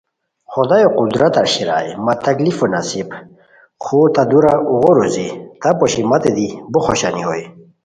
خدایو قدرتہ شیرائے مہ تکلیفو نصیب خور تہ دُورہ اوغو روزی تہ پوشی متے دی بو خوشانی ہوئے